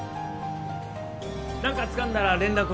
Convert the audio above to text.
何かつかんだら連絡を。